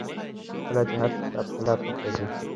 کله چې هر څه ستا په خلاف مخته ځي